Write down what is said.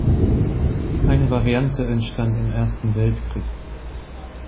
Eine Variante entstand im Ersten Weltkrieg.